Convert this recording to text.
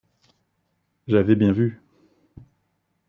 J’avais bien vu !…